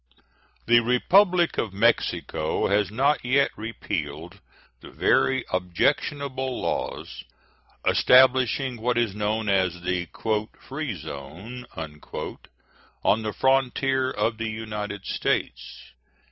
The Republic of Mexico has not yet repealed the very objectionable laws establishing what is known as the "free zone" on the frontier of the United States.